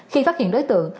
khi phát hiện đối tượng